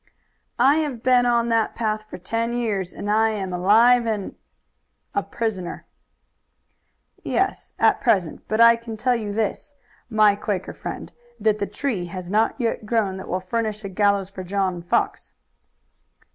"I have been on that path for ten years and I am alive and " "A prisoner." "Yes, at present; but I can tell you this, my Quaker friend, that the tree has not yet grown that will furnish a gallows for John Fox."